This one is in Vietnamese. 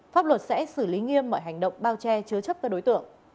pháp luật sẽ xử lý nghiêm mọi hành động bao che chứa chấp các đối tượng